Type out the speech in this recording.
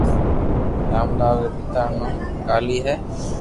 رام لال ري پيتا رو نوم ڪاليي ھي